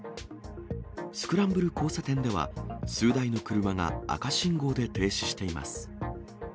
スクランブル交差点では、数台の車が赤信号で停止しています。